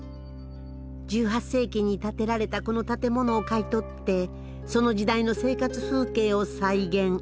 １８世紀に建てられたこの建物を買い取ってその時代の生活風景を再現。